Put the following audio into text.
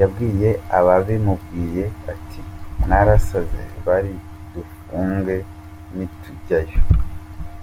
Yabwiye ababimubwiye ati “Mwarasaze, bari budufunge nitujyayo.